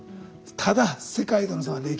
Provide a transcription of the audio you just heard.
ただ世界との差は歴然。